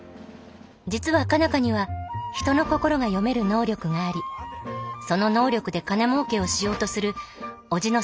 実は佳奈花には人の心が読める能力がありその能力で金もうけをしようとする叔父の沢田に追われていた。